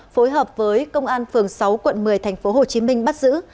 phối hợp với công an phường sáu quận một mươi tp hcm bắt giữ